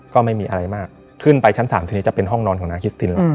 ก็ไม่มีอะไรมากขึ้นไปชั้น๓จะเป็นห้องนอนของนาคิตติน